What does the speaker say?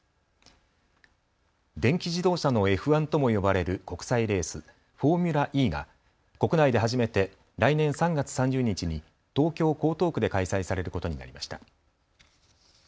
電気自動車のＦ１とも呼ばれる国際レース、フォーミュラＥが国内で初めて来年３月３０日に東京江東区で開催されることになりました。